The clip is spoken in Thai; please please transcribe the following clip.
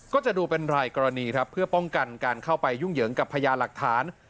ก็จะดูเป็นรายกรณีครับเพื่อป้องกันการเข้าไปยุ่งเหยิงกับพญาหลักฐาน